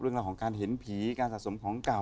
เรื่องราวของการเห็นผีการสะสมของเก่า